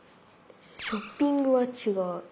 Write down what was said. ショッピングはちがう。